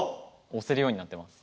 押せるようになってます。